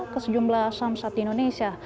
ke sejumlah samsat di indonesia